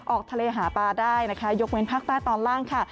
ออกทะเลหาปลาได้นะคะยกเว้นภาคใต้ตอนล่างค่ะ